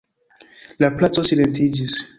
La placo silentiĝis.